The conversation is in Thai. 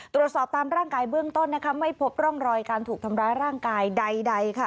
ตามร่างกายเบื้องต้นนะคะไม่พบร่องรอยการถูกทำร้ายร่างกายใดค่ะ